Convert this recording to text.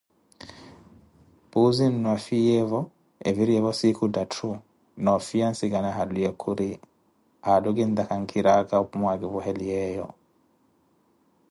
Puuzi-nnu afiyavo eviriyevo siikhu ttatthu, nʼoofiya ansikana halwiye khuri:- Haalu kintakha nkhira aka opu mwakipweheliyeeyo.